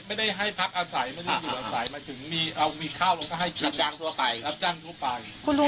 แต่ไม่ได้ให้พรรคอาศัยไม่ได้ให้ดิบอาศัย